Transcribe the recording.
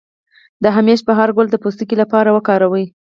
د همیش بهار ګل د پوستکي لپاره وکاروئ